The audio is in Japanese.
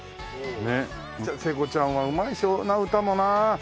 聖子ちゃんはうまいでしょうな歌もな。